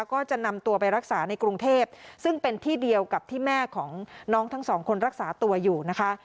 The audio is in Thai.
ก็จะนำตัวไปรักษาในกรุงเทพซึ่งเป็นที่เดียวกับที่แม่ของน้องทั้งสองคนรักษาตัวอยู่นะคะ